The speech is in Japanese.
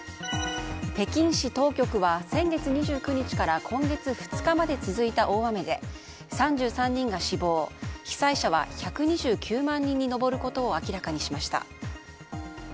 北京市当局は、先月２９日から今月２日まで続いた大雨で３３人が死亡被災者は１２９万人に上ることを明らかにしました。